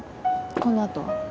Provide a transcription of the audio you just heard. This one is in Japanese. このあとは？